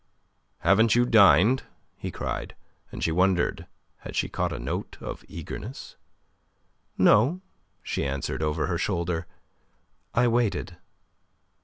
"Haven't you dined?" he cried, and she wondered had she caught a note of eagerness. "No," she answered, over her shoulder. "I waited."